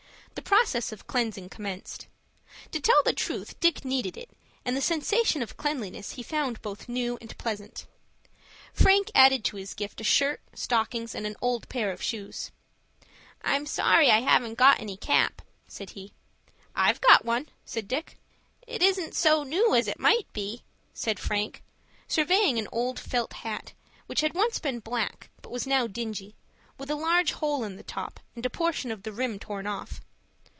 The process of cleansing commenced. To tell the truth Dick needed it, and the sensation of cleanliness he found both new and pleasant. Frank added to his gift a shirt, stockings, and an old pair of shoes. "I am sorry I haven't any cap," said he. "I've got one," said Dick. "It isn't so new as it might be," said Frank, surveying an old felt hat, which had once been black, but was now dingy, with a large hole in the top and a portion of the rim torn off.